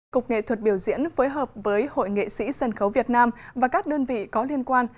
cục nghệ thuật biểu diễn phối hợp với hội nghệ sĩ sân khấu việt nam và các đơn vị có liên quan